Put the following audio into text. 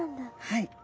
はい。